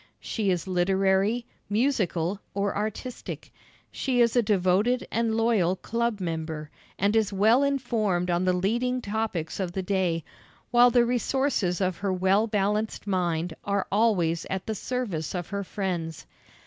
She is literary, musical, or artistic. She is a devoted and loyal club member, and is well informed on the leading topics of the day, while the resources of her well balanced mind are always at the service of her friends.